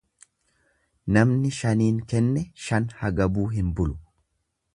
Namni shaniin kenne shan hagabuu hin bulu.